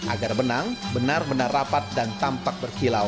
agar benang benar benar rapat dan tampak berkilau